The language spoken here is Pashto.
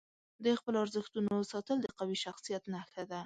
د خپلو ارزښتونو ساتل د قوي شخصیت نښه ده.